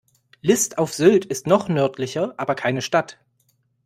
List auf Sylt ist noch nördlicher, aber keine Stadt.